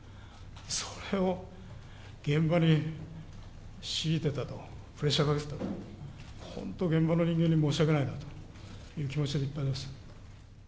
それを現場に強いてたと、プレッシャーかけてたと、本当、現場の人間に申し訳ないなという気持ちでいっぱいです。